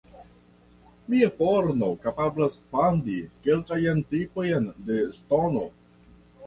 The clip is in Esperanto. Mia forno kapablas fandi kelkajn tipojn de ŝtono.